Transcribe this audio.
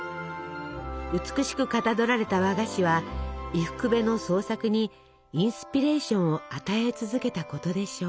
美しくかたどられた和菓子は伊福部の創作にインスピレーションを与え続けたことでしょう。